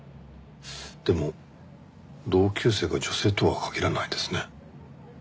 でも同級生が女性とは限らないですね。